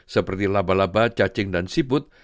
seperti laba laba cacing dan siput